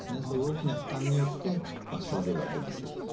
そういう大きな負担によって症状が出ます。